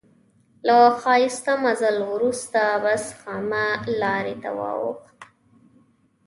له ښایسته مزل وروسته بس خامه لارې ته واوښت.